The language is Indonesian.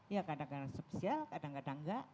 ya kadang kadang spesial kadang kadang enggak